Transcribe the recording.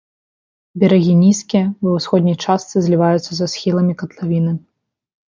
Берагі нізкія, ва ўсходняй частцы зліваюцца са схіламі катлавіны.